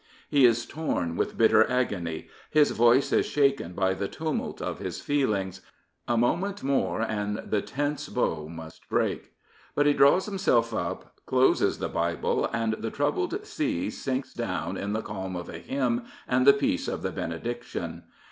He is torn with bitter agony. His voice is shaken by the tumult of his feelings. A moment more, and the tense bow must break. But he draws himself up, closes the Bible, and the troubled sea sinks down in the calm of a hymn and the peace of the benediction.